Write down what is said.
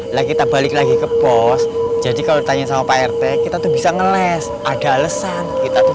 lagi tabalik lagi ke pos jadi kalau tanya sama pak rt kita tuh bisa ngeles ada alesan kita tuh